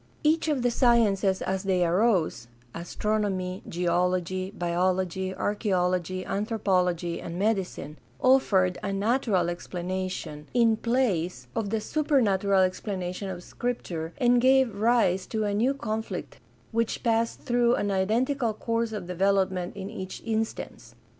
Each of the sciences as they arose — astronomy, geology, biology, archaeology, anthropology, and medicine — offered a natural explanation in place of the 448 GUIDE TO STUDY OF CHRISTIAN RELIGION supernatural explanation of Scripture and gave rise to a new conflict which passed through an identical course of develop ment in each instance.